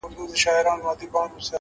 لوړ لیدلوری افقونه پراخوي؛